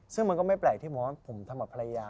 ซึ่งมันก็ไม่แปลกที่บอกว่าผมทำกับภรรยา